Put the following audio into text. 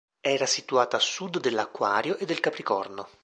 Era situata a sud dell'Aquario e del Capricorno.